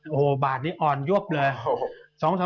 โอ้โหบาทนี้อ่อนยวบเลย